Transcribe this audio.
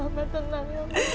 mama tenang ya